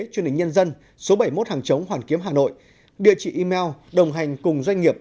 truyền hình nhân dân số bảy mươi một hàng chống hoàn kiếm hà nội địa chỉ email đồng hành cùng doanh nghiệp